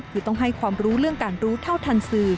คือต้องให้ความรู้เรื่องการรู้เท่าทันสื่อ